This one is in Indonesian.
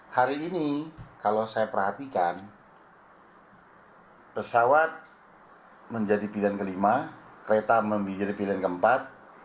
hari ini kalau saya perhatikan pesawat menjadi pilihan kelima kereta membinggir pilihan keempat